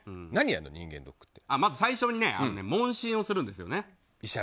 最初に問診をするんですね。